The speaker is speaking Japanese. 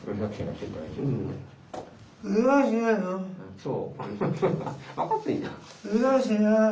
そう。